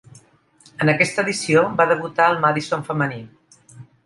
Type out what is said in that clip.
En aquesta edició va debutar el Madison femení.